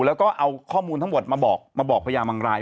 แล้วก็เอาข้อมูลทั้งหมดมาบอกมาบอกพญาบางราย